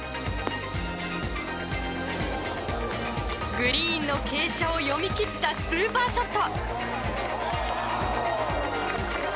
グリーンの傾斜を読み切ったスーパーショット。